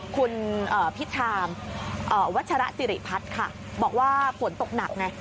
คุณพิธามวัชรสิริพัฒน์ค่ะบอกว่าฝนตกหนักไง